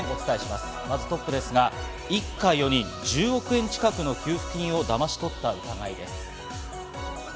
まずトップですが、一家４人、１０億円近くの給付金をだまし取った疑いです。